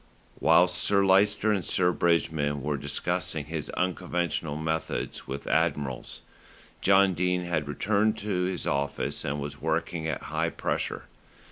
Whilst Sir Lyster and Sir Bridgman were discussing his unconventional methods with admirals, John Dene had returned to his office and was working at high pressure.